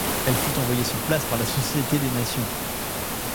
Elle fut envoyée sur place par la Société des Nations.